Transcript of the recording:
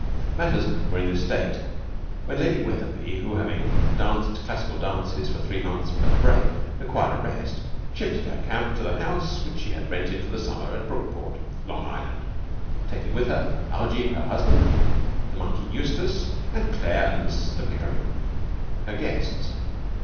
Matters were in this state when Lady Wetherby, who, having danced classical dances for three months without a break, required a rest, shifted her camp to the house which she had rented for the summer at Brookport, Long Island, taking with her Algie, her husband, the monkey Eustace, and Claire and Mr Pickering, her guests.